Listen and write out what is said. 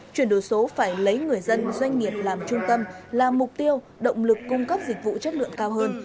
chuyển đổi số phải lấy người dân doanh nghiệp làm trung tâm làm mục tiêu động lực cung cấp dịch vụ chất lượng cao hơn